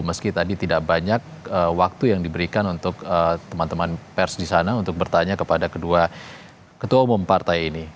meski tadi tidak banyak waktu yang diberikan untuk teman teman pers di sana untuk bertanya kepada kedua ketua umum partai ini